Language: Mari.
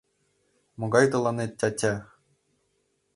— Могай тыланет тя-тя?